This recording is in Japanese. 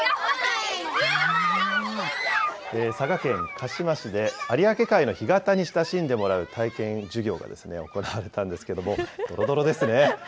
佐賀県鹿島市で、有明海の干潟に親しんでもらう体験授業が行われたんですけれども、どろどろですね。